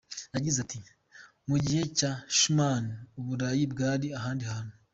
Yagize ati “Mu gihe cya Schuman, u Burayi bwari ahandi hantu.